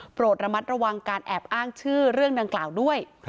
โปรดระมัดระวังการแอบอ้างชื่อเรื่องดังกล่าวด้วย